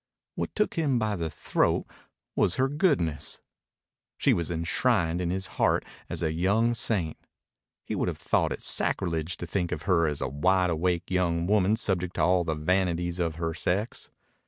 What took him by the throat was her goodness. She was enshrined in his heart as a young saint. He would have thought it sacrilege to think of her as a wide awake young woman subject to all the vanities of her sex.